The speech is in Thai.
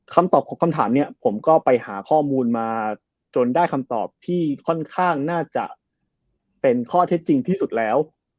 คำถามนี้ผมก็ไปหาข้อมูลมาจนได้คำตอบที่ค่อนข้างน่าจะเป็นข้อเท็จจริงที่สุดแล้ว